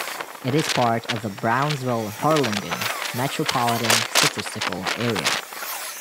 It is part of the Brownsville-Harlingen Metropolitan Statistical Area.